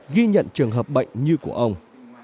ghi nhận trường hợp bệnh như của ông